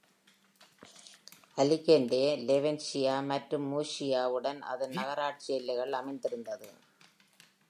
அலிகேன்டே, வெலென்ஷியா மற்றும் முர்சியா-வுடன் அதன் நகராட்சி எல்லைகள் அமைந்திருந்தது.